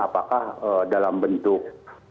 apakah dalam bentuk